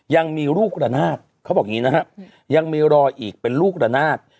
ยังมีลูกระนาดเขาบอกอย่างนี้นะครับยังมีรอยอีกเป็นลูกระนาด